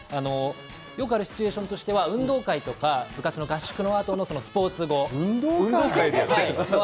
よくあるシチュエーションとしては、運動会とか部活の合宿のあととか。